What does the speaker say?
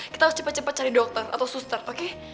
kita harus cepat cepat cari dokter atau suster oke